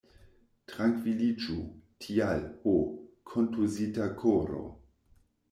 Trankviliĝu, tial, ho, kontuzita koro!